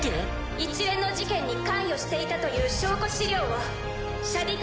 一連の事件に関与していたという証拠資料をシャディク